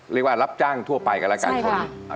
เรียกว่ารับจ้างทั่วไปกันแล้วกัน